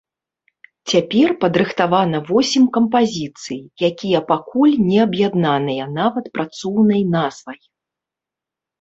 Цяпер падрыхтавана восем кампазіцый, якія пакуль не аб'яднаныя нават працоўнай назвай.